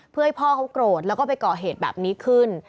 เพื่อให้พ่อเขาโกรธแล้วก็ไปก่อเหตุแบบนี้ขึ้น